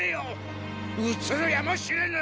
伝染るやもしれぬ！